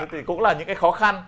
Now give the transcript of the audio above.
thì cũng là những cái khó khăn